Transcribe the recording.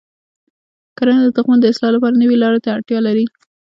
کرنه د تخمونو د اصلاح لپاره نوي لارې ته اړتیا لري.